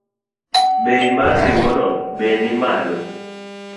Bei mar ring’ono be nimalo